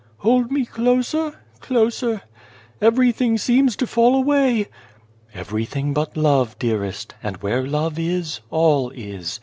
" Hold me closer closer. Everything seems to fall away." " Everything but love, dearest, and where love is, all is.